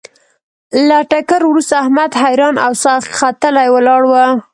له ټکر ورسته احمد حیران او ساه ختلی ولاړ و.